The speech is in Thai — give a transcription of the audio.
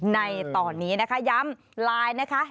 ในตอนนี้นะคะย้ำไลน์นะคะ